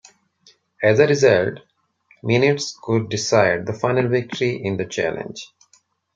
As a result, minutes could decide the final victory in the Challenge.